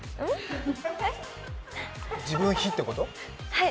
はい？